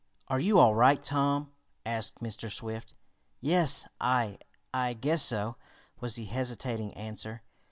"Are you all right, Tom?" asked Mr. Swift. "Yes I I guess so," was the hesitating answer.